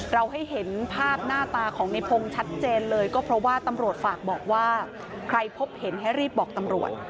ให้เห็นภาพหน้าตาของในพงศ์ชัดเจนเลยก็เพราะว่าตำรวจฝากบอกว่าใครพบเห็นให้รีบบอกตำรวจ